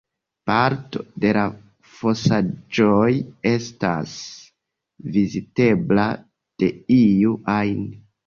Parto de la fosaĵoj estas vizitebla de iu ajn.